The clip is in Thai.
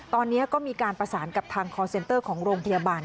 ตอนนี้ก็มีการประสานกับทางคอร์เซนเตอร์ของโรงพยาบาล